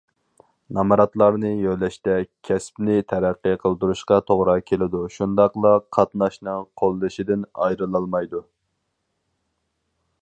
نامراتلارنى يۆلەشتە كەسىپنى تەرەققىي قىلدۇرۇشقا توغرا كېلىدۇ شۇنداقلا قاتناشنىڭ قوللىشىدىن ئايرىلالمايدۇ.